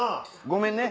ごめんね。